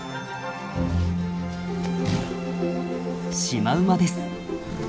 シマウマです。